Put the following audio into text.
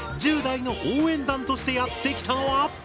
１０代の応援団としてやって来たのは？